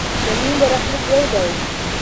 زموږ برخلیک یو دی.